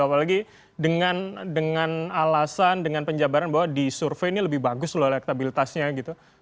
apalagi dengan alasan dengan penjabaran bahwa disurvey ini lebih bagus lho elektabilitasnya gitu